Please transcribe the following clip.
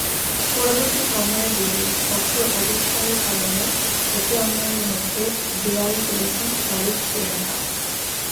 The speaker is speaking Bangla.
পরবর্তী সময়ে গৌরীর কঠোর অবস্থানের কারণে একে অন্যের মধ্যে দেয়াল তুলেছেন শাহরুখ-প্রিয়াঙ্কা।